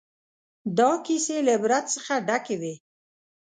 دا کیسې له عبرت څخه ډکې وې.